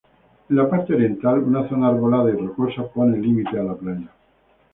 En la parte oriental, una zona arbolada y rocosa pone límite a la playa.